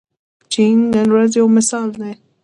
چین نن ورځ یو مثال دی.